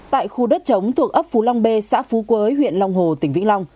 tại khu đất chống thuộc ấp phú long b xã phú quế huyện long hồ tỉnh vĩnh long